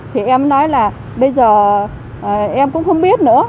thì em nói là bây giờ em cũng không biết nữa